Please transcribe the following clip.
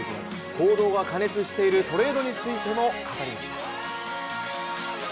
報道が過熱しているトレードについても語りました。